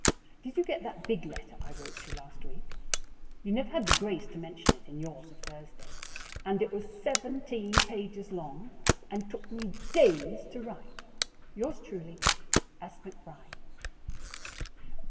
Did you get that big letter I wrote you last week? You never had the grace to mention it in yours of Thursday, and it was seventeen pages long, and took me DAYS to write. Yours truly, S. McBRIDE.